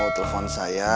mau hati hati di jalan ya